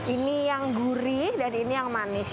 ini yang gurih dan ini yang manis